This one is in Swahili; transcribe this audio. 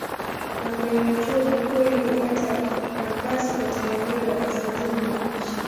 Kampeni ya Chuo Kikuu ili kupata kampasi katika eneo la kaskazini mwa nchi.